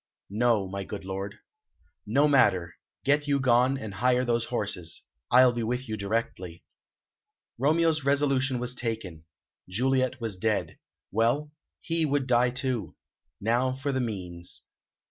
"No, my good lord." "No matter. Get you gone, and hire those horses. I'll be with you directly." Romeo's resolution was taken. Juliet was dead. Well, he would die too. Now for the means.